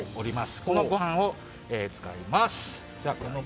このご飯を使います。